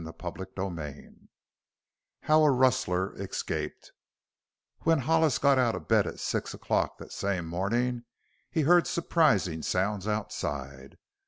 CHAPTER XIX HOW A RUSTLER ESCAPED When Hollis got out of bed at six o'clock that same morning he heard surprising sounds outside.